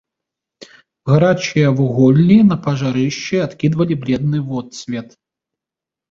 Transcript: Гарачыя вуголлі на пажарышчы адкідвалі бледны водсвет.